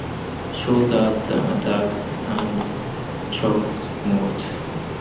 Shooter then attacks and chokes Mort.